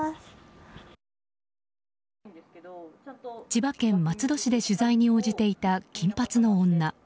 千葉県松戸市で取材に応じていた金髪の女。